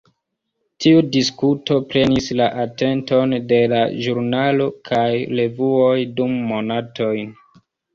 Tiu diskuto prenis la atenton de la ĵurnaloj kaj revuoj dum monatojn.